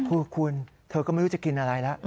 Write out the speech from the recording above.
โอ๊ยคุณเธอก็ไม่รู้จะกินอะไรละ